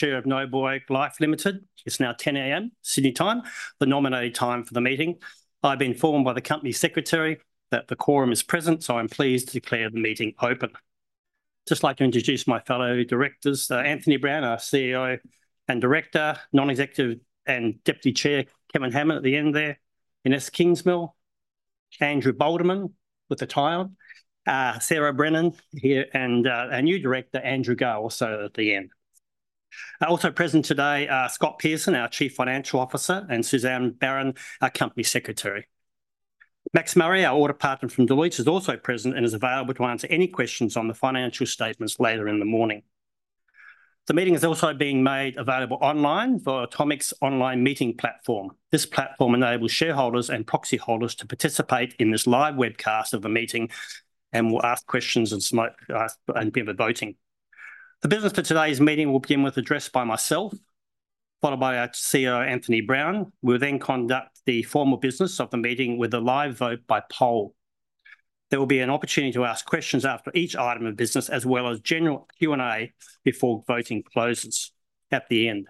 It's now 10:00 A.M. Sydney time, the nominated time for the meeting. I've been informed by the Company Secretary that the quorum is present, so I'm pleased to declare the meeting open. I'd just like to introduce my fellow directors, Anthony Brown, our CEO and Director, Non-Executive and Deputy Chair Kevin Hamman at the end there, Inese Kingsmill, Andrew Boldeman with the tie, Sarah Brennan here, and our new director, Andrew Gale, also at the end. Also present today are Scott Pearson, our Chief Financial Officer, and Suzanne Barron, our Company Secretary. Max Murray, our Audit Partner from Deloitte, is also present and is available to answer any questions on the financial statements later in the morning. The meeting is also being made available online via Automic's online meeting platform. This platform enables shareholders and proxy holders to participate in this live webcast of the meeting and will ask questions and be able to vote. The business for today's meeting will begin with an address by myself, followed by our CEO, Anthony Brown. We'll then conduct the formal business of the meeting with a live vote by poll. There will be an opportunity to ask questions after each item of business, as well as general Q&A before voting closes at the end.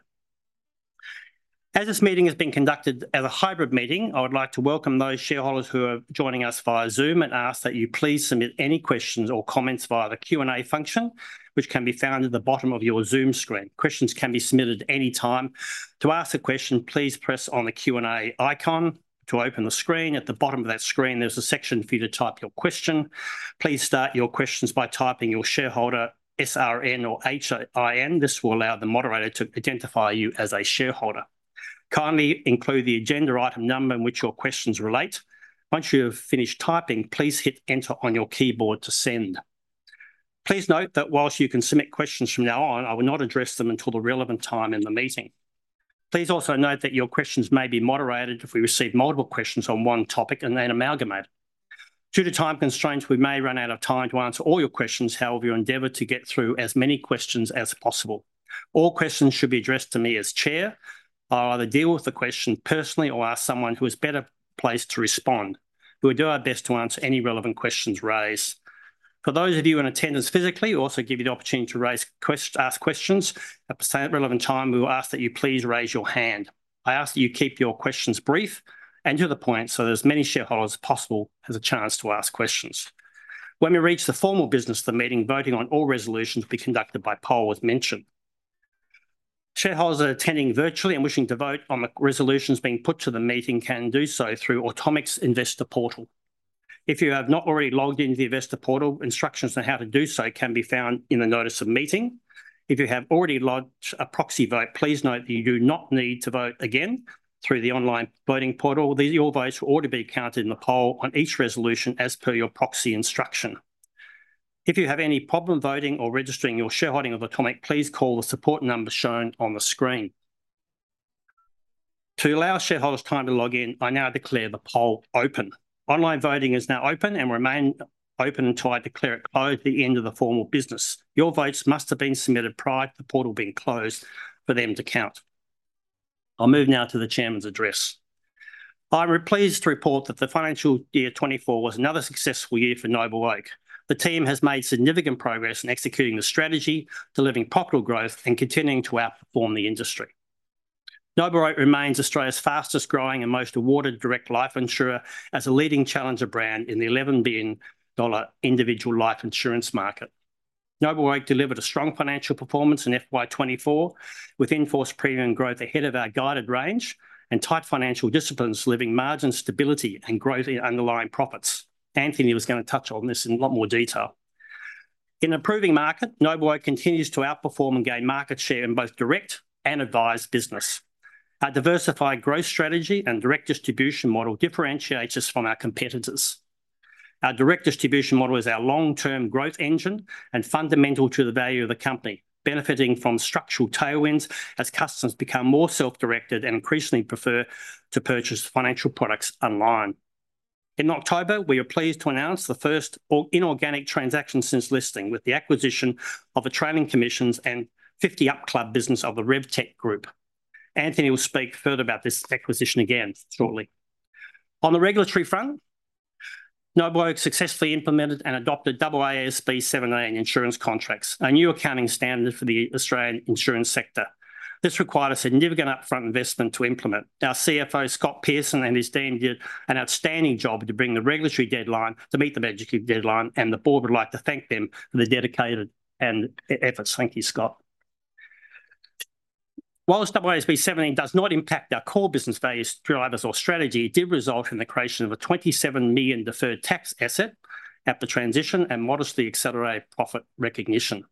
As this meeting has been conducted as a hybrid meeting, I would like to welcome those shareholders who are joining us via Zoom and ask that you please submit any questions or comments via the Q&A function, which can be found at the bottom of your Zoom screen. Questions can be submitted at any time. To ask a question, please press on the Q&A icon to open the screen. At the bottom of that screen, there's a section for you to type your question. Please start your questions by typing your shareholder SRN or HIN. This will allow the moderator to identify you as a shareholder. Kindly include the agenda item number in which your questions relate. Once you have finished typing, please hit Enter on your keyboard to send. Please note that while you can submit questions from now on, I will not address them until the relevant time in the meeting. Please also note that your questions may be moderated if we receive multiple questions on one topic and then amalgamated. Due to time constraints, we may run out of time to answer all your questions. However, we'll endeavor to get through as many questions as possible. All questions should be addressed to me as Chair. I'll either deal with the question personally or ask someone who is better placed to respond. We will do our best to answer any relevant questions raised. For those of you in attendance physically, we also give you the opportunity to ask questions at the same relevant time. We will ask that you please raise your hand. I ask that you keep your questions brief and to the point so that as many shareholders as possible have a chance to ask questions. When we reach the formal business of the meeting, voting on all resolutions will be conducted by poll, as mentioned. Shareholders attending virtually and wishing to vote on the resolutions being put to the meeting can do so through Automic's Investor Portal. If you have not already logged into the Investor Portal, instructions on how to do so can be found in the Notice of Meeting. If you have already logged a proxy vote, please note that you do not need to vote again through the online voting portal. Your votes will also be counted in the poll on each resolution as per your proxy instruction. If you have any problem voting or registering your shareholding of Automic, please call the support number shown on the screen. To allow shareholders time to log in, I now declare the poll open. Online voting is now open and will remain open until I declare it closed at the end of the formal business. Your votes must have been submitted prior to the portal being closed for them to count. I'll move now to the Chairman's address. I'm pleased to report that the financial year 2024 was another successful year for NobleOak. The team has made significant progress in executing the strategy, delivering profitable growth, and continuing to outperform the industry. NobleOak remains Australia's fastest growing and most awarded direct life insurer as a leading challenger brand in the AUD 11 billion individual life insurance market. NobleOak delivered a strong financial performance in FY 2024, with in-force premium growth ahead of our guided range and tight financial disciplines delivering margin stability and growth in underlying profits. Anthony was going to touch on this in a lot more detail. In a proving market, NobleOak continues to outperform and gain market share in both direct and advised business. Our diversified growth strategy and direct distribution model differentiate us from our competitors. Our direct distribution model is our long-term growth engine and fundamental to the value of the company, benefiting from structural tailwinds as customers become more self-directed and increasingly prefer to purchase financial products online. In October, we are pleased to announce the first inorganic transaction since listing with the acquisition of trailing commissions and FiftyUp Club business of the RevTech Group. Anthony will speak further about this acquisition again shortly. On the regulatory front, NobleOak successfully implemented and adopted AASB 17 insurance contracts, a new accounting standard for the Australian insurance sector. This required a significant upfront investment to implement. Our CFO, Scott Pearson, and his team did an outstanding job to bring the regulatory deadline to meet the budgetary deadline, and the Board would like to thank them for the dedicated efforts. Thank you, Scott. While AASB 17 does not impact our core business values, drivers, or strategy, it did result in the creation of 27 million deferred tax asset at the transition and modestly accelerated profit recognition.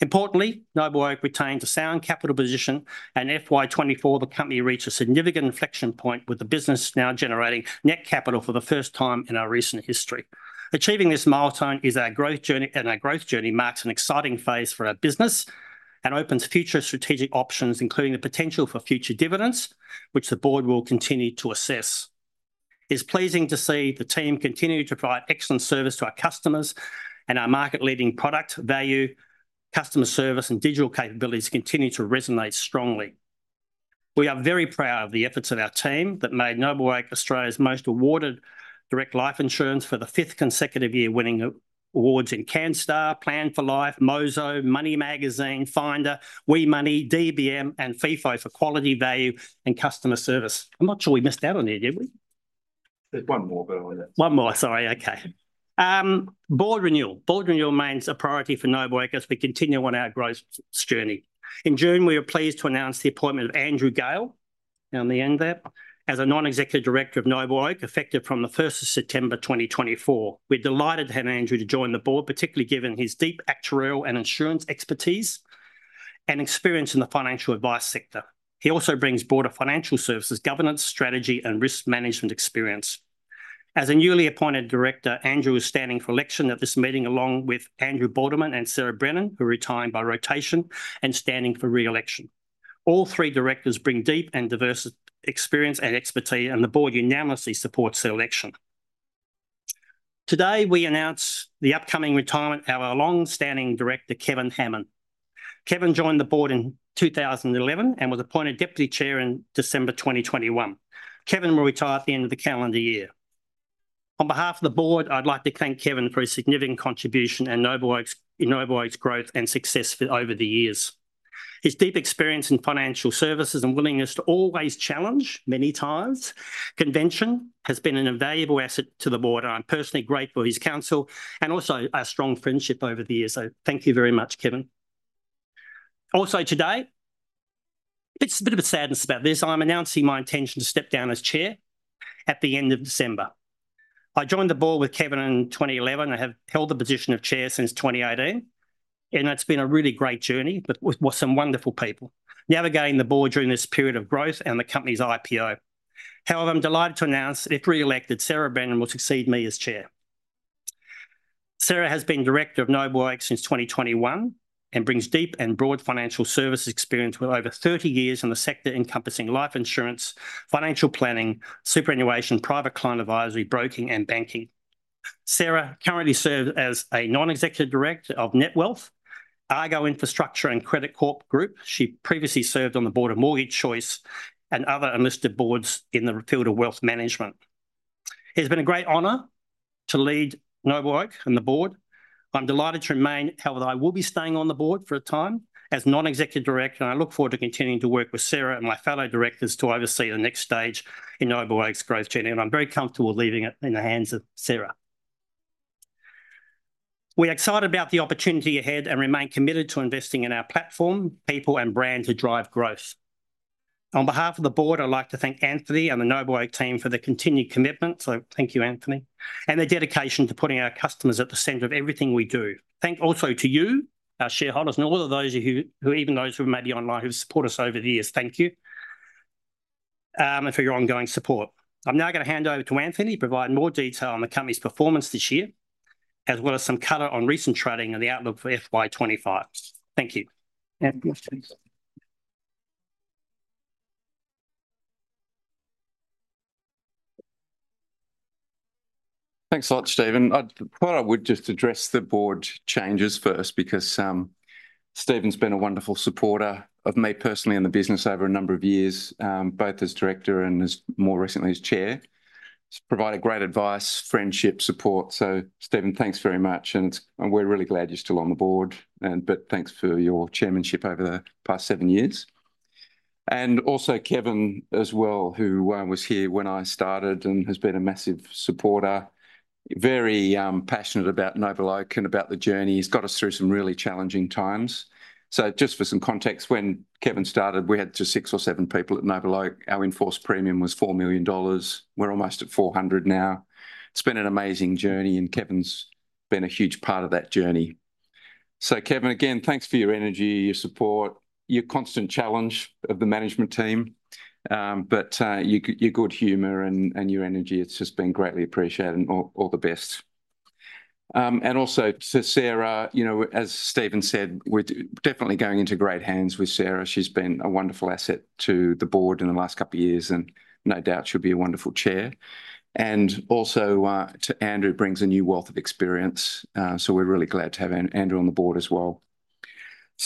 Importantly, NobleOak retained a sound capital position, and in FY 2024, the company reached a significant inflection point with the business now generating net capital for the first time in our recent history. Achieving this milestone is our growth journey, and our growth journey marks an exciting phase for our business and opens future strategic options, including the potential for future dividends, which the Board will continue to assess. It's pleasing to see the team continue to provide excellent service to our customers, and our market-leading product value, customer service, and digital capabilities continue to resonate strongly. We are very proud of the efforts of our team that made NobleOak Australia's most awarded direct life insurance for the fifth consecutive year, winning awards in Canstar, Plan For Life, Mozo, Money Magazine, Finder, WeMoney, DBM, and Feefo for quality value and customer service. I'm not sure we missed out on any, did we? There's one more, but I'll add. One more, sorry. Okay. Board renewal. Board renewal remains a priority for NobleOak as we continue on our growth journey. In June, we were pleased to announce the appointment of Andrew Gale as a non-executive director of NobleOak, effective from the 1st of September 2024. We're delighted to have Andrew to join the Board, particularly given his deep actuarial and insurance expertise and experience in the financial advice sector. He also brings Board of Financial Services governance, strategy, and risk management experience. As a newly appointed director, Andrew was standing for election at this meeting along with Andrew Boldeman and Sarah Brennan, who retired by rotation and standing for re-election. All three directors bring deep and diverse experience and expertise, and the Board unanimously supports their election. Today, we announce the upcoming retirement of our long-standing director, Kevin Hamman. Kevin joined the Board in 2011 and was appointed Deputy Chair in December 2021. Kevin will retire at the end of the calendar year. On behalf of the Board, I'd like to thank Kevin for his significant contribution and NobleOak's growth and success over the years. His deep experience in financial services and willingness to always challenge, many times, convention has been an invaluable asset to the Board, and I'm personally grateful for his counsel and also our strong friendship over the years. So thank you very much, Kevin. Also, today, it's a bit of a sadness about this. I'm announcing my intention to step down as Chair at the end of December. I joined the Board with Kevin in 2011 and have held the position of Chair since 2018, and it's been a really great journey with some wonderful people navigating the Board during this period of growth and the company's IPO. However, I'm delighted to announce that if re-elected, Sarah Brennan will succeed me as Chair. Sarah has been Director of NobleOak since 2021 and brings deep and broad financial services experience with over 30 years in the sector encompassing life insurance, financial planning, superannuation, private client advisory, broking, and banking. Sarah currently serves as a Non-Executive Director of Netwealth, Argo Infrastructure, and Credit Corp Group. She previously served on the Board of Mortgage Choice and other listed boards in the field of wealth management. It has been a great honor to lead NobleOak and the Board. I'm delighted to remain, however, I will be staying on the Board for a time as non-executive director, and I look forward to continuing to work with Sarah and my fellow directors to oversee the next stage in NobleOak's growth journey, and I'm very comfortable leaving it in the hands of Sarah. We are excited about the opportunity ahead and remain committed to investing in our platform, people, and brand to drive growth. On behalf of the Board, I'd like to thank Anthony and the NobleOak team for their continued commitment. So thank you, Anthony, and their dedication to putting our customers at the center of everything we do. Thank also to you, our shareholders, and all of those of you, even those who are maybe online, who've supported us over the years. Thank you for your ongoing support. I'm now going to hand over to Anthony to provide more detail on the company's performance this year, as well as some color on recent trading and the outlook for FY 2025. Thank you. Thanks a lot, Stephen. I thought I would just address the Board changes first because Stephen's been a wonderful supporter of me personally in the business over a number of years, both as Director and more recently as Chair. He's provided great advice, friendship, support. So Stephen, thanks very much, and we're really glad you're still on the Board, but thanks for your chairmanship over the past seven years. And also Kevin as well, who was here when I started and has been a massive supporter, very passionate about NobleOak and about the journey. He's got us through some really challenging times. So just for some context, when Kevin started, we had just six or seven people at NobleOak. Our in-force premium was $4 million. We're almost at $400 now. It's been an amazing journey, and Kevin's been a huge part of that journey. So Kevin, again, thanks for your energy, your support, your constant challenge of the management team, but your good humor and your energy. It's just been greatly appreciated, and all the best. And also to Sarah, you know, as Stephen said, we're definitely going into great hands with Sarah. She's been a wonderful asset to the Board in the last couple of years and no doubt she'll be a wonderful Chair. And also to Andrew, who brings a new wealth of experience. We're really glad to have Andrew on the Board as well.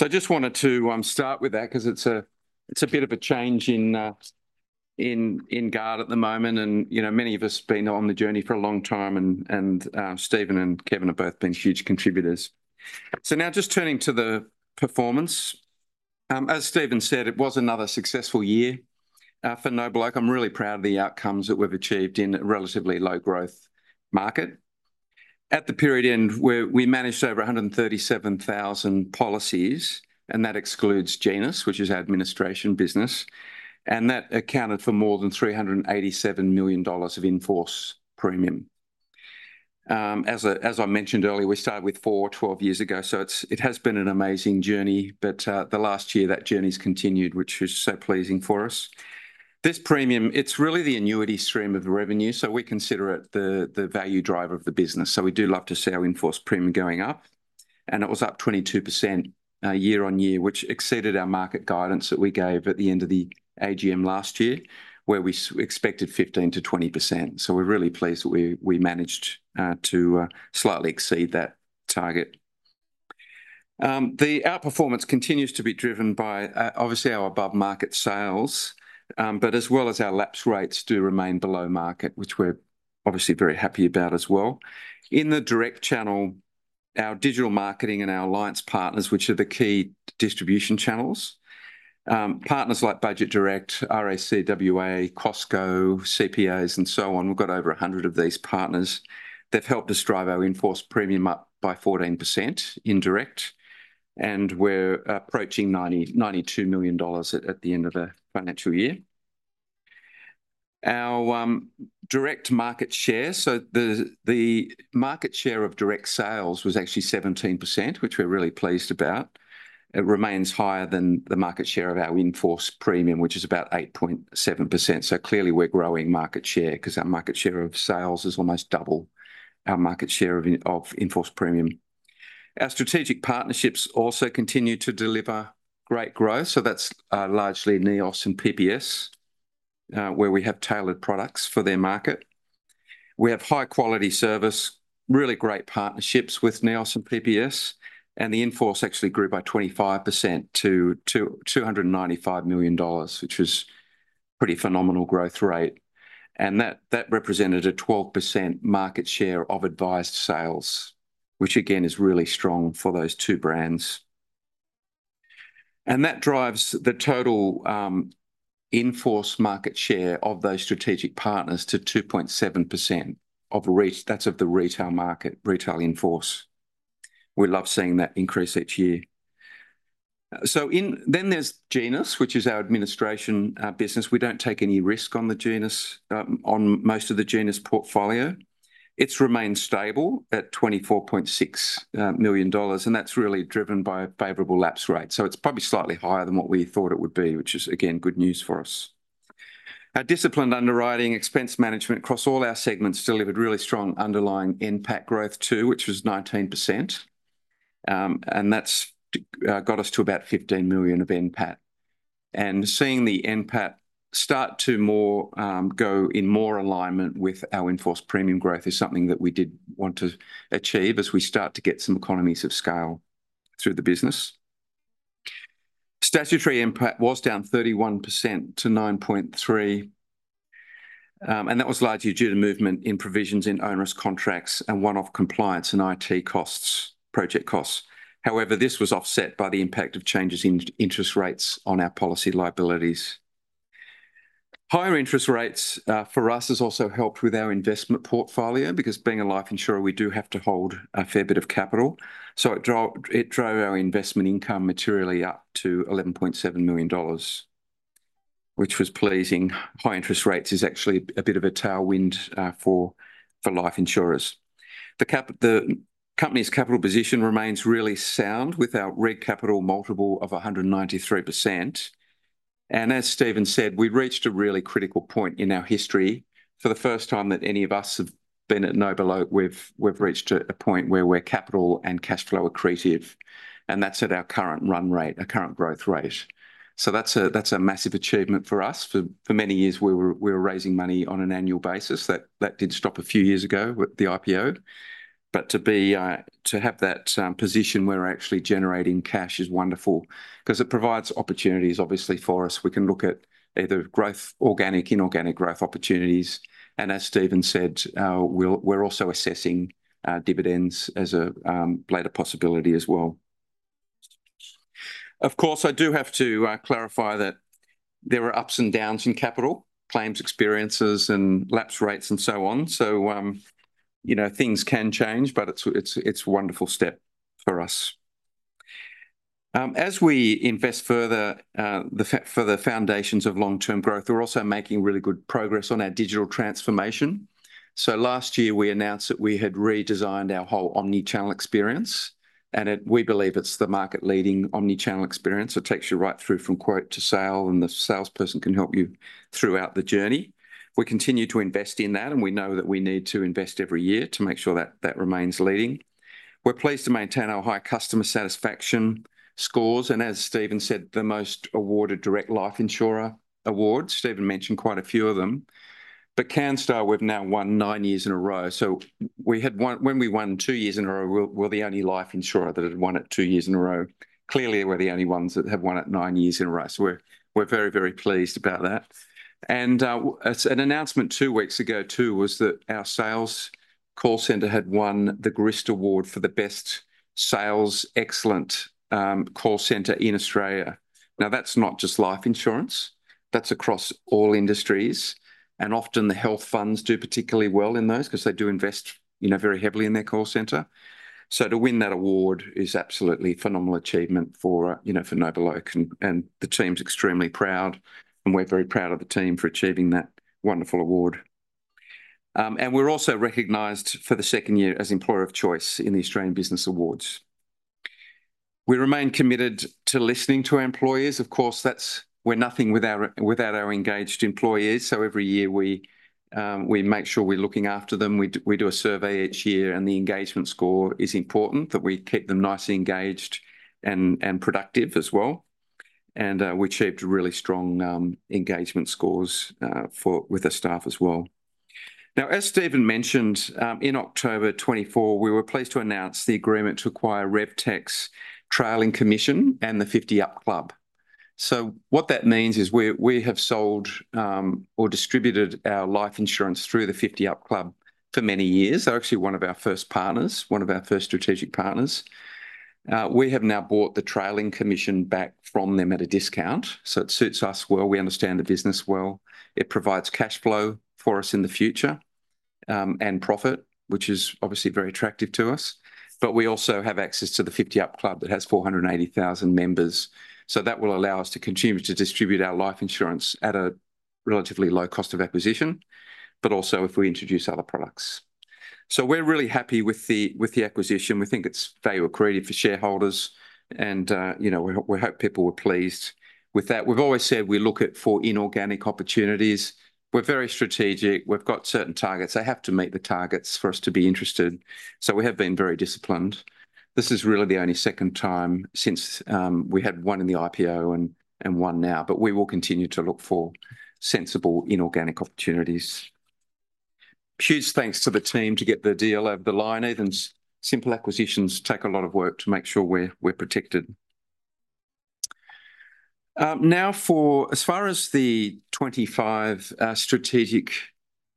I just wanted to start with that because it's a bit of a change in guard at the moment, and you know many of us have been on the journey for a long time, and Stephen and Kevin have both been huge contributors. Now just turning to the performance. As Stephen said, it was another successful year for NobleOak. I'm really proud of the outcomes that we've achieved in a relatively low-growth market. At the period end, we managed over 137,000 policies, and that excludes Genus, which is our administration business, and that accounted for more than 387 million dollars of in-force premium. As I mentioned earlier, we started with four or twelve years ago, so it has been an amazing journey, but the last year that journey has continued, which is so pleasing for us. This premium, it's really the annuity stream of revenue, so we consider it the value driver of the business. So we do love to see our in-force premium going up, and it was up 22% year-on-year, which exceeded our market guidance that we gave at the end of the AGM last year, where we expected 15%-20%. So we're really pleased that we managed to slightly exceed that target. The outperformance continues to be driven by, obviously, our above-market sales, but as well as our lapse rates do remain below market, which we're obviously very happy about as well. In the direct channel, our digital marketing and our alliance partners, which are the key distribution channels, partners like Budget Direct, RAC WA, Costco, CPAs, and so on, we've got over 100 of these partners. They've helped us drive our in-force premium up by 14% in direct, and we're approaching 92 million dollars at the end of the financial year. Our direct market share, so the market share of direct sales was actually 17%, which we're really pleased about. It remains higher than the market share of our in-force premium, which is about 8.7%. So clearly, we're growing market share because our market share of sales is almost double our market share of in-force premium. Our strategic partnerships also continue to deliver great growth. So that's largely NEOS and PPS, where we have tailored products for their market. We have high-quality service, really great partnerships with NEOS and PPS, and the in-force actually grew by 25% to 295 million dollars, which was a pretty phenomenal growth rate. And that represented a 12% market share of advised sales, which again is really strong for those two brands. And that drives the total in-force market share of those strategic partners to 2.7% of that of the retail market, retail in-force. We love seeing that increase each year. So then there's Genus, which is our administration business. We don't take any risk on the Genus, on most of the Genus portfolio. It's remained stable at 24.6 million dollars, and that's really driven by a favorable lapse rate. So it's probably slightly higher than what we thought it would be, which is, again, good news for us. Our disciplined underwriting, expense management across all our segments delivered really strong underlying NPAT growth too, which was 19%, and that's got us to about 15 million of NPAT. And seeing the NPAT start to go in more alignment with our in-force premium growth is something that we did want to achieve as we start to get some economies of scale through the business. Statutory NPAT was down 31% to 9.3%, and that was largely due to movement in provisions in onerous contracts and one-off compliance and IT costs, project costs. However, this was offset by the impact of changes in interest rates on our policy liabilities. Higher interest rates for us has also helped with our investment portfolio because being a life insurer, we do have to hold a fair bit of capital. So it drove our investment income materially up to 11.7 million dollars, which was pleasing. High interest rates is actually a bit of a tailwind for life insurers. The company's capital position remains really sound with our Regulatory Capital Multiple of 193%, and as Stephen said, we reached a really critical point in our history. For the first time that any of us have been at NobleOak, we've reached a point where we're capital and cash flow accretive, and that's at our current run rate, our current growth rate, so that's a massive achievement for us. For many years, we were raising money on an annual basis. That did stop a few years ago with the IPO, but to have that position where we're actually generating cash is wonderful because it provides opportunities, obviously, for us. We can look at either growth, organic, inorganic growth opportunities, and as Stephen said, we're also assessing dividends as a later possibility as well. Of course, I do have to clarify that there are ups and downs in capital, claims experiences, and lapse rates, and so on. So you know things can change, but it's a wonderful step for us. As we invest further for the foundations of long-term growth, we're also making really good progress on our digital transformation. So last year, we announced that we had redesigned our whole omnichannel experience, and we believe it's the market-leading omnichannel experience. It takes you right through from quote to sale, and the salesperson can help you throughout the journey. We continue to invest in that, and we know that we need to invest every year to make sure that that remains leading. We're pleased to maintain our high customer satisfaction scores, and as Stephen said, the most awarded direct life insurer awards. Stephen mentioned quite a few of them, but Canstar, we've now won nine years in a row, so when we won two years in a row, we were the only life insurer that had won it two years in a row. Clearly, we're the only ones that have won it nine years in a row, so we're very, very pleased about that, and an announcement two weeks ago too was that our sales call center had won the Grist Award for the best sales excellence call center in Australia. Now, that's not just life insurance. That's across all industries, and often the health funds do particularly well in those because they do invest very heavily in their call center, so to win that award is absolutely a phenomenal achievement for NobleOak, and the team's extremely proud, and we're very proud of the team for achieving that wonderful award, and we're also recognized for the second year as Employer of Choice in the Australian Business Awards. We remain committed to listening to our employees. Of course, that's. We're nothing without our engaged employees, so every year we make sure we're looking after them. We do a survey each year, and the engagement score is important that we keep them nicely engaged and productive as well, and we achieved really strong engagement scores with our staff as well. Now, as Stephen mentioned, in October 2024, we were pleased to announce the agreement to acquire RevTech Trailing Commission and the FiftyUp Club. So what that means is we have sold or distributed our life insurance through the FiftyUp Club for many years. They're actually one of our first partners, one of our first strategic partners. We have now bought the Trailing Commission back from them at a discount. So it suits us well. We understand the business well. It provides cash flow for us in the future and profit, which is obviously very attractive to us. But we also have access to the FiftyUp Club that has 480,000 members. So that will allow us to continue to distribute our life insurance at a relatively low cost of acquisition, but also if we introduce other products. So we're really happy with the acquisition. We think it's value accretive for shareholders, and we hope people were pleased with that. We've always said we look at for inorganic opportunities. We're very strategic. We've got certain targets. They have to meet the targets for us to be interested. So we have been very disciplined. This is really the only second time since we had one in the IPO and one now, but we will continue to look for sensible inorganic opportunities. Huge thanks to the team to get the deal over the line. Even simple acquisitions take a lot of work to make sure we're protected. Now, as far as the 2025 strategic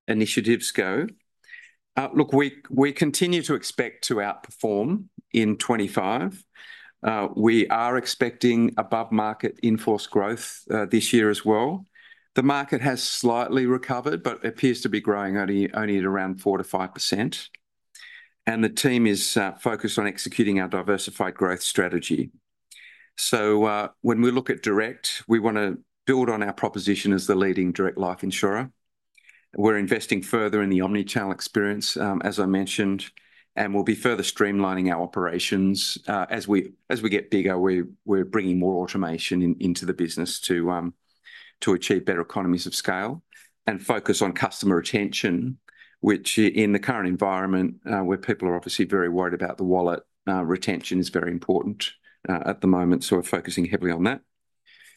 initiatives go, look, we continue to expect to outperform in 2025. We are expecting above-market in-force growth this year as well. The market has slightly recovered, but it appears to be growing only at around 4%-5%. The team is focused on executing our diversified growth strategy. So when we look at direct, we want to build on our proposition as the leading direct life insurer. We're investing further in the omnichannel experience, as I mentioned, and we'll be further streamlining our operations. As we get bigger, we're bringing more automation into the business to achieve better economies of scale and focus on customer retention, which in the current environment, where people are obviously very worried about the wallet, retention is very important at the moment. So we're focusing heavily on that.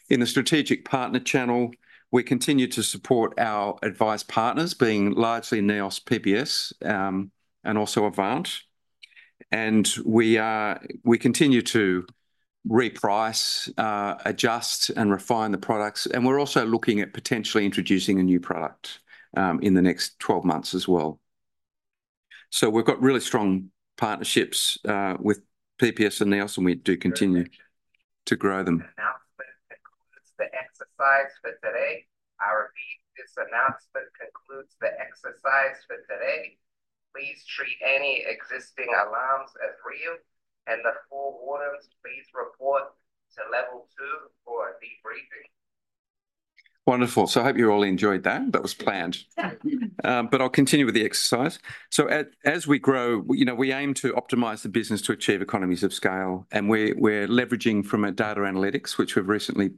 In the strategic partner channel, we continue to support our advice partners being largely NEOS, PPS, and also Avant. And we continue to reprice, adjust, and refine the products. And we're also looking at potentially introducing a new product in the next 12 months as well. So we've got really strong partnerships with PPS and NEOS, and we do continue to grow them. Announcement concludes the exercise for today. I repeat, this announcement concludes the exercise for today. Please treat any existing alarms as real and the full audience please report to level two for a debriefing. Wonderful. So I hope you all enjoyed that. That was planned, but I'll continue with the exercise. So as we grow, we aim to optimize the business to achieve economies of scale, and we're leveraging from data analytics, which we've recently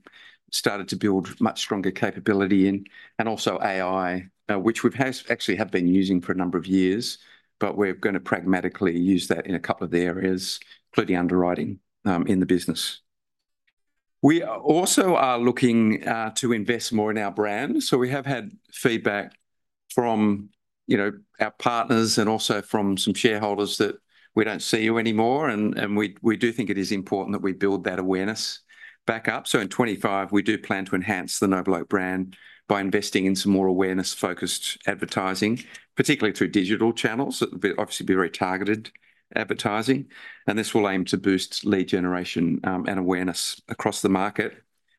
started to build much stronger capability in, and also AI, which we actually have been using for a number of years, but we're going to pragmatically use that in a couple of the areas, including underwriting in the business. We also are looking to invest more in our brand. We have had feedback from our partners and also from some shareholders that we don't see you anymore, and we do think it is important that we build that awareness back up. So in 2025, we do plan to enhance the NobleOak brand by investing in some more awareness-focused advertising, particularly through digital channels. It'll obviously be very targeted advertising, and this will aim to boost lead generation and awareness across the market,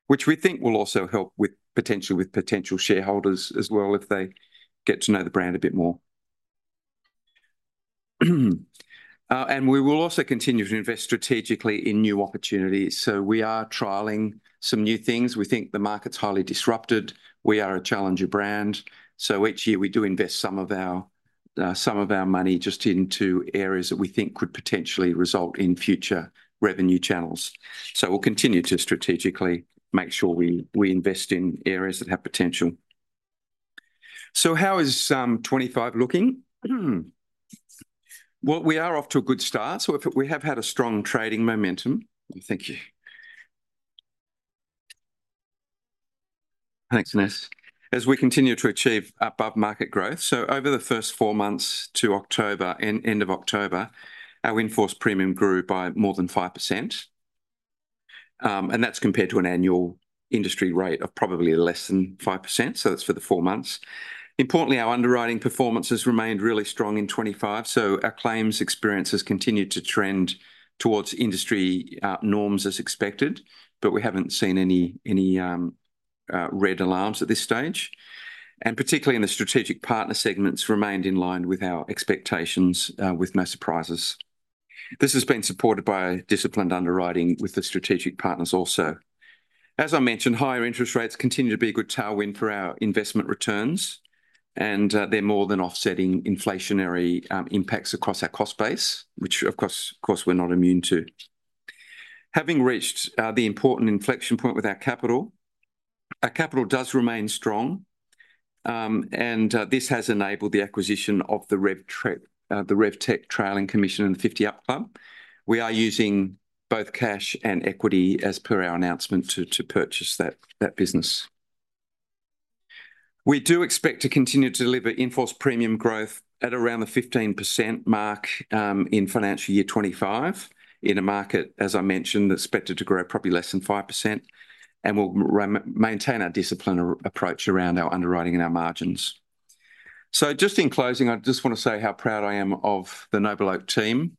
which we think will also help potentially with potential shareholders as well if they get to know the brand a bit more. And we will also continue to invest strategically in new opportunities. So we are trialling some new things. We think the market's highly disrupted. We are a challenger brand. So each year we do invest some of our money just into areas that we think could potentially result in future revenue channels. We'll continue to strategically make sure we invest in areas that have potential. How is 2025 looking? We're off to a good start. We have had a strong trading momentum. Thank you. Thanks, Ness. As we continue to achieve above-market growth, over the first four months to October, end of October, our in-force premium grew by more than 5%. That's compared to an annual industry rate of probably less than 5%. That's for the four months. Importantly, our underwriting performance has remained really strong in 2025. Our claims experience has continued to trend towards industry norms as expected, but we haven't seen any red alarms at this stage. Particularly in the strategic partner segments, it remained in line with our expectations with no surprises. This has been supported by disciplined underwriting with the strategic partners also. As I mentioned, higher interest rates continue to be a good tailwind for our investment returns, and they're more than offsetting inflationary impacts across our cost base, which of course, we're not immune to. Having reached the important inflection point with our capital, our capital does remain strong, and this has enabled the acquisition of the RevTech trailing commission and the FiftyUp Club. We are using both cash and equity as per our announcement to purchase that business. We do expect to continue to deliver in-force premium growth at around the 15% mark in financial year 2025 in a market, as I mentioned, that's expected to grow probably less than 5%, and we'll maintain our disciplined approach around our underwriting and our margins. Just in closing, I just want to say how proud I am of the NobleOak team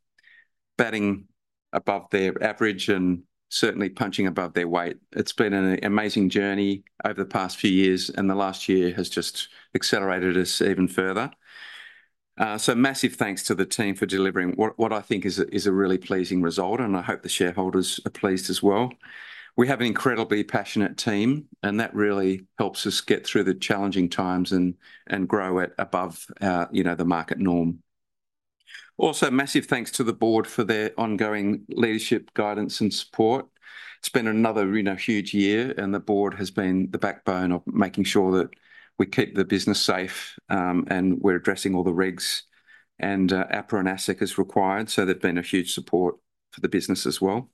batting above their average and certainly punching above their weight. It's been an amazing journey over the past few years, and the last year has just accelerated us even further. So massive thanks to the team for delivering what I think is a really pleasing result, and I hope the shareholders are pleased as well. We have an incredibly passionate team, and that really helps us get through the challenging times and grow above the market norm. Also, massive thanks to the board for their ongoing leadership, guidance, and support. It's been another huge year, and the board has been the backbone of making sure that we keep the business safe, and we're addressing all the regs and APRA and ASIC as required. So they've been a huge support for the business as well.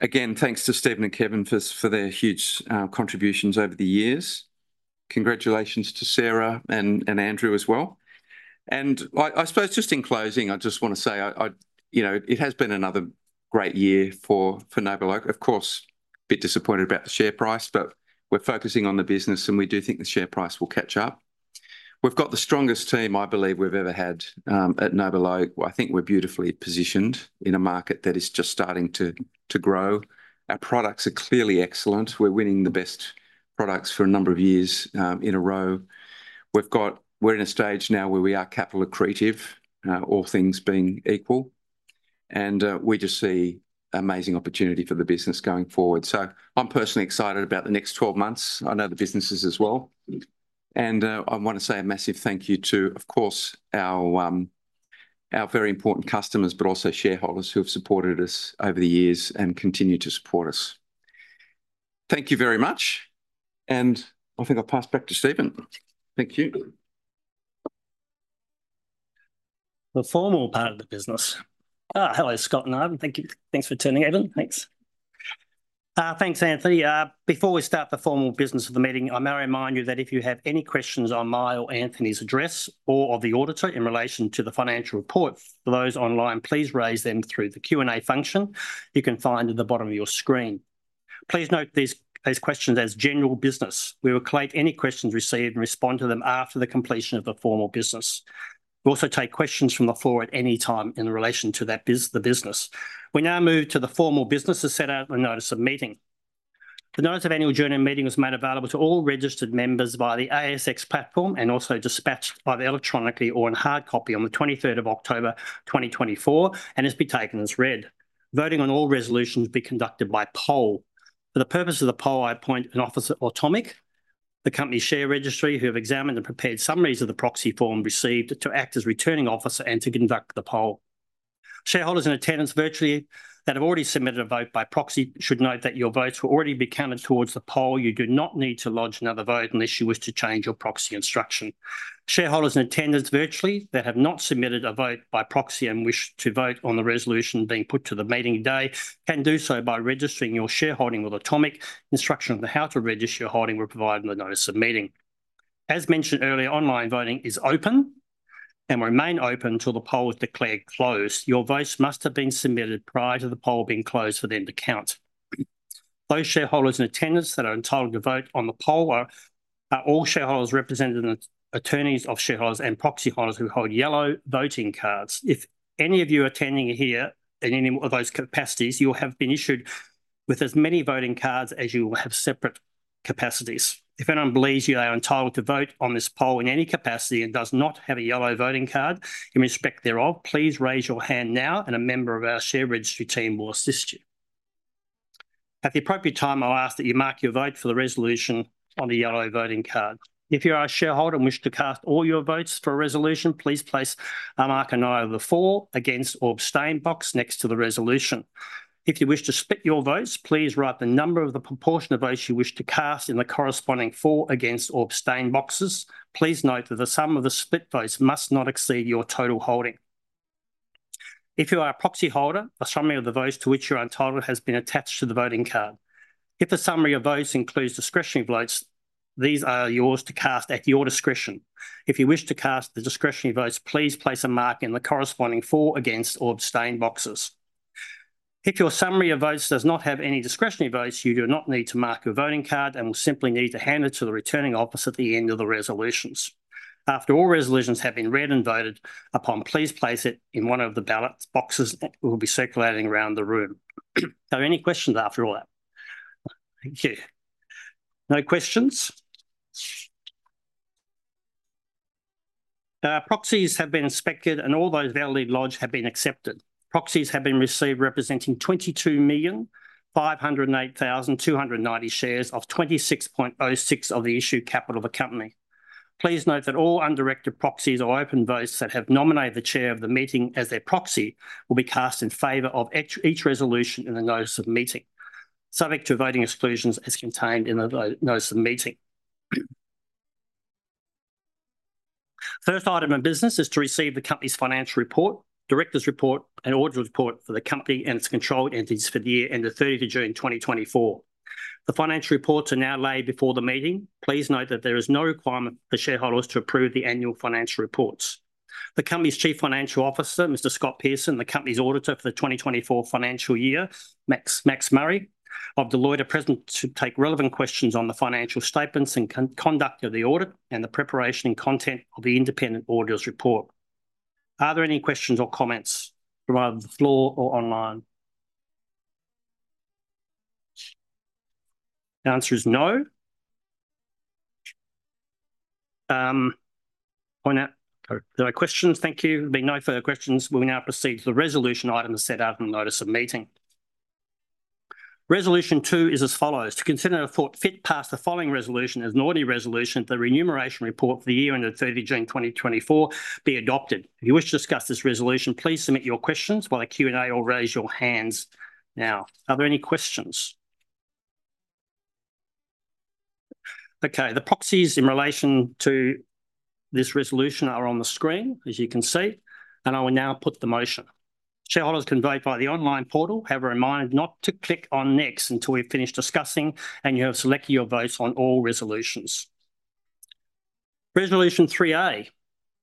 Again, thanks to Stephen and Kevin for their huge contributions over the years. Congratulations to Sarah and Andrew as well. I suppose just in closing, I just want to say it has been another great year for NobleOak. Of course, a bit disappointed about the share price, but we're focusing on the business, and we do think the share price will catch up. We've got the strongest team I believe we've ever had at NobleOak. I think we're beautifully positioned in a market that is just starting to grow. Our products are clearly excellent. We're winning the best products for a number of years in a row. We're in a stage now where we are capital accretive, all things being equal, and we just see amazing opportunity for the business going forward. So I'm personally excited about the next 12 months. I know the businesses as well. And I want to say a massive thank you to, of course, our very important customers, but also shareholders who have supported us over the years and continue to support us. Thank you very much. And I think I'll pass back to Stephen. Thank you. The formal part of the business. Hello, Scott and Ian. Thank you. Thanks for turning over. Thanks. Thanks, Anthony. Before we start the formal business of the meeting, I may remind you that if you have any questions on my or Anthony's address or of the auditor in relation to the financial report for those online, please raise them through the Q&A function you can find at the bottom of your screen. Please note these questions as general business. We will collate any questions received and respond to them after the completion of the formal business. We also take questions from the floor at any time in relation to the business. We now move to the formal business to set out the notice of meeting. The notice of annual general meeting was made available to all registered members via the ASX platform and also dispatched either electronically or in hard copy on the 23rd October, 2024, and has been taken as read. Voting on all resolutions will be conducted by poll. For the purpose of the poll, I appoint an officer at Automic, the company share registry who have examined and prepared summaries of the proxy form received to act as returning officer and to conduct the poll. Shareholders in attendance virtually that have already submitted a vote by proxy should note that your votes will already be counted towards the poll. You do not need to lodge another vote unless you wish to change your proxy instruction. Shareholders in attendance virtually that have not submitted a vote by proxy and wish to vote on the resolution being put to the meeting today can do so by registering your shareholding with Automic. Instructions on how to register your holding will be provided in the notice of meeting. As mentioned earlier, online voting is open and will remain open until the poll is declared closed. Your votes must have been submitted prior to the poll being closed for them to count. Those shareholders in attendance that are entitled to vote on the poll are all shareholders represented by attorneys, shareholders and proxy holders who hold yellow voting cards. If any of you are attending here in any of those capacities, you will have been issued with as many voting cards as you will have separate capacities. If anyone believes you are entitled to vote on this poll in any capacity and does not have a yellow voting card in respect thereof, please raise your hand now, and a member of our share registry team will assist you. At the appropriate time, I'll ask that you mark your vote for the resolution on the yellow voting card. If you are a shareholder and wish to cast all your votes for a resolution, please place a mark in either the for, against, or abstain box next to the resolution. If you wish to split your votes, please write the number of the proportion of votes you wish to cast in the corresponding for, against, or abstain boxes. Please note that the sum of the split votes must not exceed your total holding. If you are a proxy holder, a summary of the votes to which you are entitled has been attached to the voting card. If the summary of votes includes discretionary votes, these are yours to cast at your discretion. If you wish to cast the discretionary votes, please place a mark in the corresponding for, against, or abstain boxes. If your summary of votes does not have any discretionary votes, you do not need to mark your voting card and will simply need to hand it to the returning officer at the end of the resolutions. After all resolutions have been read and voted upon, please place it in one of the ballot boxes that will be circulating around the room. Are there any questions after all that? Thank you. No questions. Proxies have been inspected and all those validated lodged have been accepted. Proxies have been received representing 22,508,290 shares or 26.06% of the issued capital of the company. Please note that all undirected proxies or open votes that have nominated the Chair of the meeting as their proxy will be cast in favor of each resolution in the notice of meeting, subject to voting exclusions as contained in the notice of meeting. First item in business is to receive the company's financial report, directors' report, and auditor's report for the company and its controlled entities for the year ended 30th June 2024. The financial reports are now laid before the meeting. Please note that there is no requirement for shareholders to approve the annual financial reports. The company's Chief Financial Officer, Mr. Scott Pearson, and the company's auditor for the 2024 financial year, Max Murray, of Deloitte, are present to take relevant questions on the financial statements and conduct of the audit and the preparation and content of the independent auditor's report. Are there any questions or comments from either the floor or online? The answer is no. There are no questions. Thank you. There'll be no further questions. We will now proceed to the resolution item set out in the notice of meeting. Resolution two is as follows. To consider and, if passed, adopt the following resolution as an ordinary resolution, the remuneration report for the year ended 30th June 2024 be adopted. If you wish to discuss this resolution, please submit your questions by the Q&A or raise your hands now. Are there any questions? Okay. The proxies in relation to this resolution are on the screen, as you can see, and I will now put the motion. Shareholders connected via the online portal, here's a reminder not to click on next until we've finished discussing and you have selected your votes on all resolutions. Resolution 3a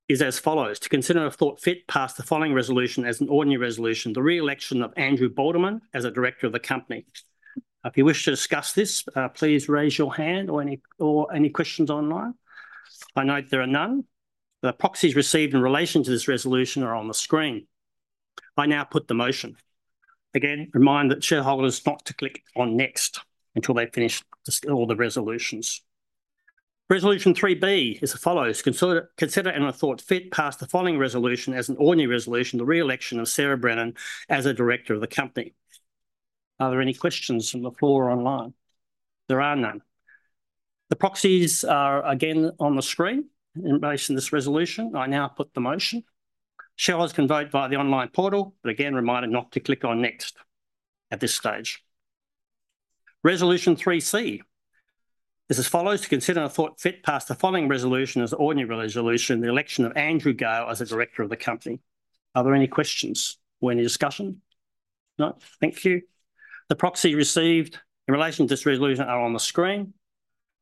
is as follows. To consider and, if passed, adopt the following resolution as an ordinary resolution, the re-election of Andrew Boldeman as a director of the company. If you wish to discuss this, please raise your hand or any questions online. I note there are none. The proxies received in relation to this resolution are on the screen. I now put the motion. Again, a reminder that shareholders not to click on next until they've finished all the resolutions. Resolution 3b is as follows. and, if thought fit, pass the following resolution as an ordinary resolution, the re-election of Sarah Brennan as a director of the company. Are there any questions from the floor or online? There are none. The proxies are again on the screen in relation to this resolution. I now put the motion. Shareholders connected by the online portal, but again, reminded not to click on next at this stage. Resolution 3c is as follows. To consider and, if thought fit, pass the following resolution as an ordinary resolution, the election of Andrew Gale as a director of the company. Are there any questions? Is there any discussion? No? Thank you. The proxies received in relation to this resolution are on the screen.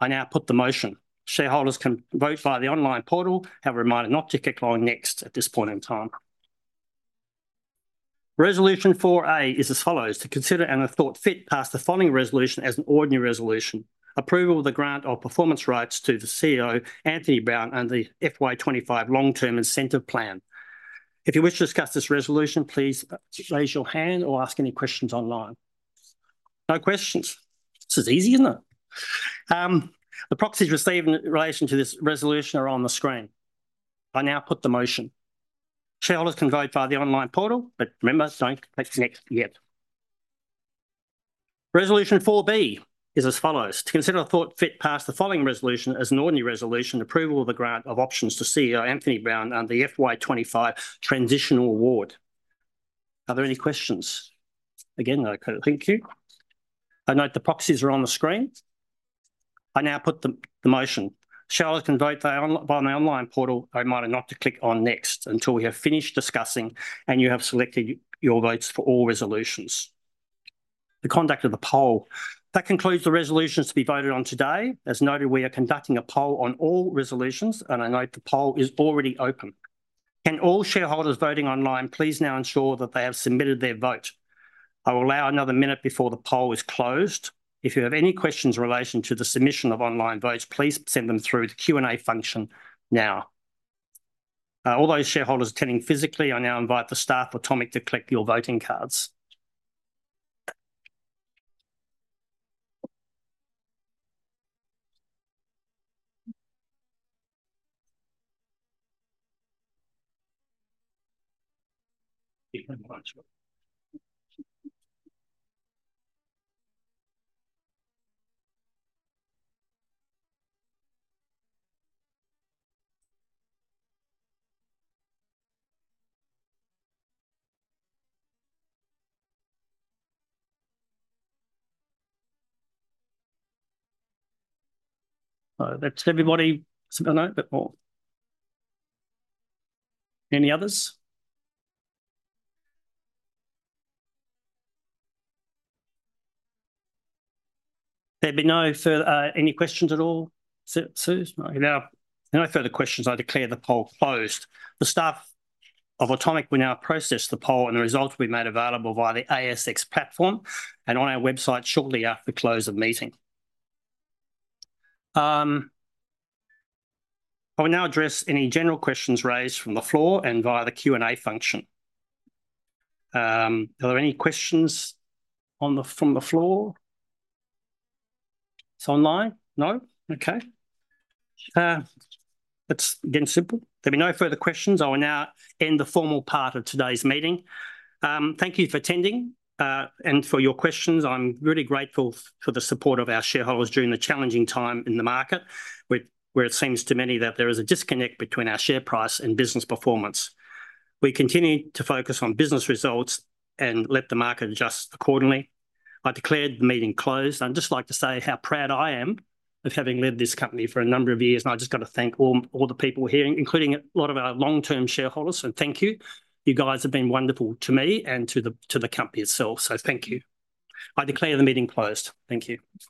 I now put the motion. Shareholders can vote via the online portal, with a reminder not to click on next at this point in time. Resolution 4a is as follows. To consider and, if thought fit, pass the following resolution as an ordinary resolution, approval of the grant of performance rights to the CEO, Anthony Brown, and the FY25 long-term incentive plan. If you wish to discuss this resolution, please raise your hand or ask any questions online. No questions. This is easy, isn't it? The proxies received in relation to this resolution are on the screen. I now put the motion. Shareholders connected by the online portal, but remember, don't click next yet. Resolution 4b is as follows. To consider and, if thought fit, pass the following resolution as an ordinary resolution, approval of the grant of options to CEO Anthony Brown and the FY25 transitional award. Are there any questions? Again, thank you. I note the proxies are on the screen. I now put the motion. Shareholders connected by the online portal, a reminder not to click on next until we have finished discussing and you have selected your votes for all resolutions. The conduct of the poll. That concludes the resolutions to be voted on today. As noted, we are conducting a poll on all resolutions, and I note the poll is already open. Can all shareholders voting online please now ensure that they have submitted their vote? I will allow another minute before the poll is closed. If you have any questions in relation to the submission of online votes, please send them through the Q&A function now. All those shareholders attending physically, I now invite the staff at Automic to collect your voting cards. That's everybody. Any others? There'll be no further any questions at all, Suze. No further questions. I declare the poll closed. The staff of Automic will now process the poll and the results will be made available via the ASX platform and on our website shortly after the close of the meeting. I will now address any general questions raised from the floor and via the Q&A function. Are there any questions from the floor? It's online. No? Okay. It's been simple. There'll be no further questions. I will now end the formal part of today's meeting. Thank you for attending and for your questions. I'm really grateful for the support of our shareholders during the challenging time in the market where it seems to many that there is a disconnect between our share price and business performance. We continue to focus on business results and let the market adjust accordingly. I declare the meeting closed. I'd just like to say how proud I am of having led this company for a number of years, and I just got to thank all the people here, including a lot of our long-term shareholders, and thank you. You guys have been wonderful to me and to the company itself, so thank you. I declare the meeting closed. Thank you.